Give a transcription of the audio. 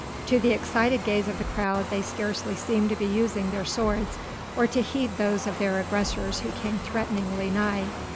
To the excited gaze of the crowd they scarcely seemed to be using their swords or to heed those of their aggressors who came threateningly nigh.